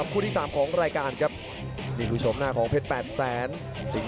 กำลังสะดุกทีเดียว